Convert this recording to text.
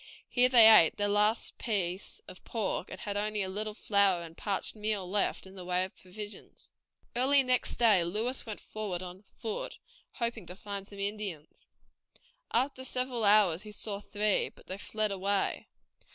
Here they ate their last piece of pork, and had only a little flour and parched meal left in the way of provisions. Early next day Lewis went forward on foot, hoping to find some Indians. After several hours he saw three; but they fled away.